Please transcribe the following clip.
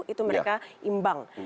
itu mereka imbang